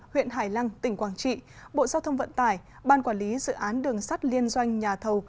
huyện hải lăng tỉnh quảng trị bộ giao thông vận tải ban quản lý dự án đường sắt liên doanh nhà thầu